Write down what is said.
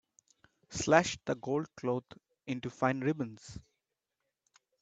Slash the gold cloth into fine ribbons.